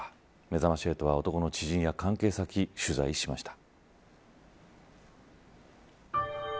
めざまし８は、男の知人や関係先取材しました。